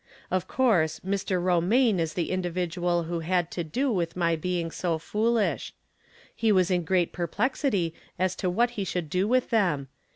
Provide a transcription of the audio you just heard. Of course Mr. Romaine is the individual who had to do with my being so foolish. He was iia great perplexity as to what he should do with them.